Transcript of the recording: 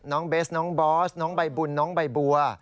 เบสน้องบอสน้องใบบุญน้องใบบัว